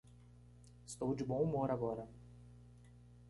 Estou de bom humor agora.